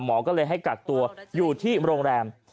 หมอก็เลยให้กักตัวอยู่ที่โรงแรม